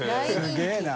すげぇな。